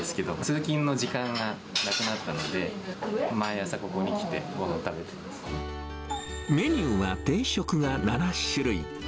通勤の時間がなくなったので、毎朝ここに来て、ごはん食べてまメニューは定食が７種類。